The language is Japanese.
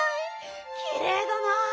きれいだなあ。